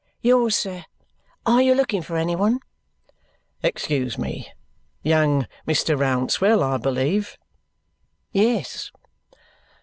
"Yours, sir. Are you looking for any one?" "Excuse me. Young Mr. Rouncewell, I believe?" "Yes."